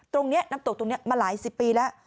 น้ำตกตรงนี้มาหลายสิบปีแล้ว